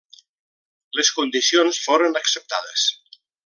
Les condicions foren acceptades.